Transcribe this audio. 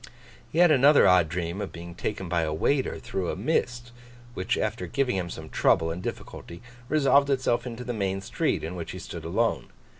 He had another odd dream of being taken by a waiter through a mist, which, after giving him some trouble and difficulty, resolved itself into the main street, in which he stood alone.